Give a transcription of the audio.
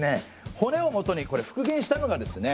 骨をもとに復元したのがですね